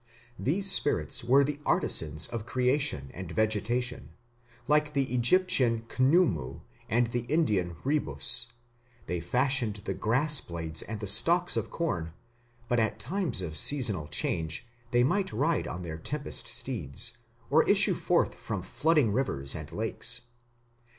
These spirits were the artisans of creation and vegetation, like the Egyptian Khnumu and the Indian Rhibus; they fashioned the grass blades and the stalks of corn, but at times of seasonal change they might ride on their tempest steeds, or issue forth from flooding rivers and lakes.